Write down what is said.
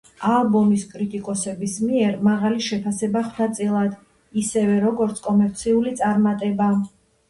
ალბომის კრიტიკოსების მიერ მაღალი შეფასება ხვდა წილად, ისევე, როგორც კომერციული წარმატება.